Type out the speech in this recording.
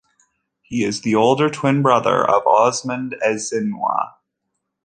He is the older twin brother of Osmond Ezinwa.